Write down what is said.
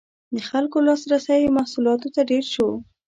• د خلکو لاسرسی محصولاتو ته ډېر شو.